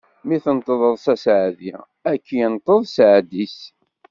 Mi tenṭeḍeḍ s aseɛdi, ad k-inṭeḍ seɛd-is.